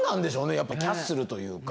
やっぱりキャッスルというか。